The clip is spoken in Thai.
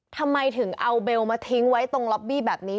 ทำไมถึงเอาเบลมาทิ้งไว้ตรงล็อบบี้แบบนี้